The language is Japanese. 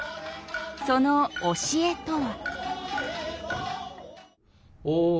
その教えとは？